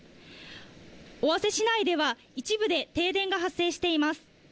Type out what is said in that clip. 尾鷲市内では、一部で停電が発生しています。